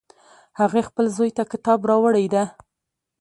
هغې خپل زوی ته کتاب راوړی ده